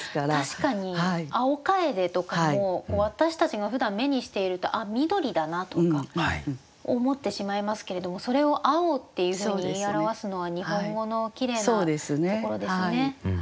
確かに「青楓」とかも私たちがふだん目にしていると「あっ緑だな」とか思ってしまいますけれどもそれを「青」っていうふうに言い表すのは日本語のきれいなところですね。